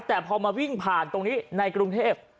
แต่พอมาวิ่งผ่านตรงนี้ในกรุงเทพ